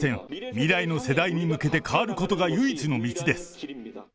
未来の世代に向けて変わることが唯一の道です。